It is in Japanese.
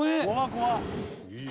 怖っ！